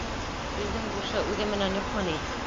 Филдең душы үҙе менән — Юҡмы ни?